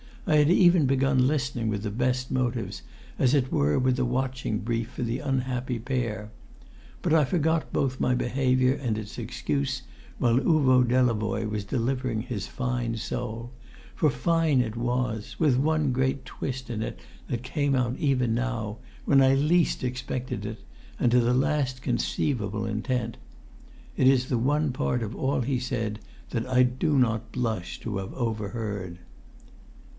I had even begun listening with the best motives, as it were with a watching brief for the unhappy pair. But I forgot both my behaviour and its excuse while Uvo Delavoye was delivering his fine soul; for fine it was, with one great twist in it that came out even now, when I least expected it, and to the last conceivable intent. It is the one part of all he said that I do not blush to have overheard.